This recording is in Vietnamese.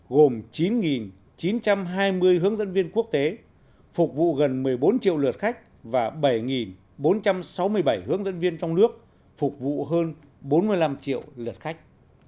gồm chín chín trăm hai mươi hướng dẫn viên quốc tế phục vụ gần một mươi bốn triệu lượt khách và bảy bốn trăm sáu mươi bảy hướng dẫn viên trong nước phục vụ hơn bốn mươi năm triệu lượt khách